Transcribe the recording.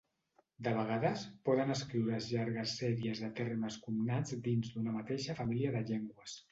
De vegades, poden escriure's llargues sèries de termes cognats dins d'una mateixa família de llengües.